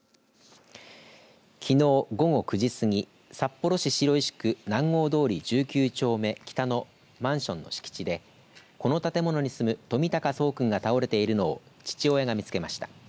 きのう午後９時過ぎ札幌市白石区南郷通１９丁目北のマンションの敷地でこの建物に住む冨高聡くんが倒れているのを父親が見つけました。